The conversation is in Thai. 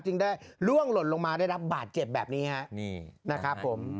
จึงได้ล่วงหล่นลงมาได้รับบาดเจ็บแบบนี้ฮะนี่นะครับผม